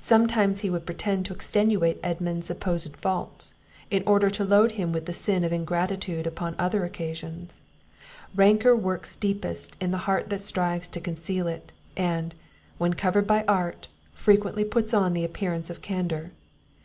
Sometimes he would pretend to extenuate Edmund's supposed faults, in order to load him with the sin of ingratitude upon other occasions. Rancour works deepest in the heart that strives to conceal it; and, when covered by art, frequently puts on the appearance of candour.